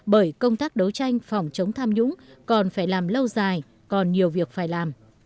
bởi công tác đấu tranh phòng chống tham nhũng còn phải làm lâu dài còn nhiều việc phải làm